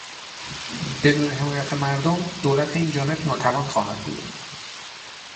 بدون حمایت مردم، دولت اینجانب ناتوان خواهد بود.